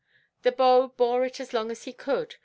The beau bore it as long as he could.